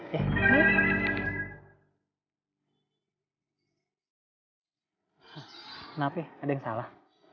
kenapa ada yang salah